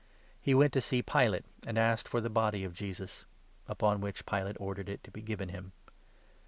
He went to see Pilate, 58 and asked for the body of Jesus ; upon which Pilate ordered it to be given him.